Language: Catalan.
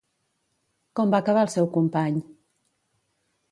Com va acabar el seu company?